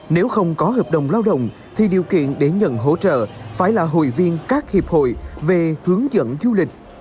nếu không có hợp đồng lao động thì điều kiện để nhận hỗ trợ phải là hội viên các hiệp hội về hướng dẫn du lịch